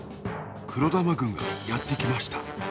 黒玉軍がやってきました。